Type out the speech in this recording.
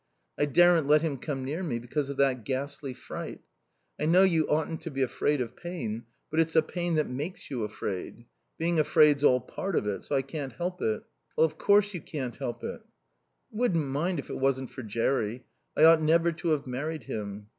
I daren't let him come near me because of that ghastly fright. I know you oughtn't to be afraid of pain, but it's a pain that makes you afraid. Being afraid's all part of it. So I can't help it." "Of course you can't help it." "I wouldn't mind if it wasn't for Jerry. I ought never to have married him."